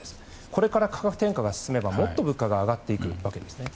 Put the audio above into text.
これから価格転嫁が進めばもっと物価が上がっていくわけですね。